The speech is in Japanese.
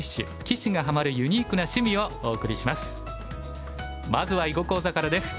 棋士がハマるユニークな趣味」をお送りします。